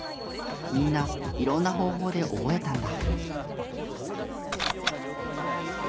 みんな色んな方法で覚えたんだ。